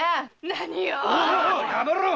何を！